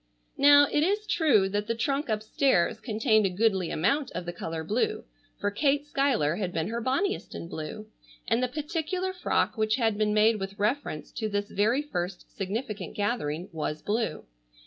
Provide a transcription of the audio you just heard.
Now it is true that the trunk upstairs contained a goodly amount of the color blue, for Kate Schuyler had been her bonniest in blue, and the particular frock which had been made with reference to this very first significant gathering was blue.